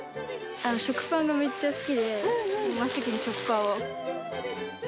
食パンがめっちゃ好きで、真っ先に食パンを。